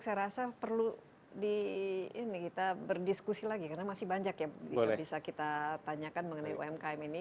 saya rasa perlu kita berdiskusi lagi karena masih banyak yang bisa kita tanyakan mengenai umkm ini